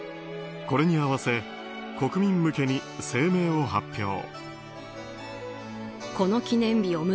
これに合わせ、国民向けに声明を発表。